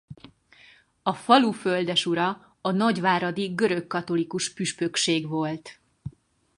A falu földesura a nagyváradi görögkatolikus püspökség volt.